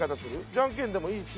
じゃんけんでもいいし。